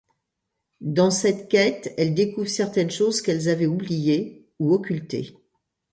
Dans cette quête, elle découvre certaines choses qu'elle avait oubliées, ou occultées.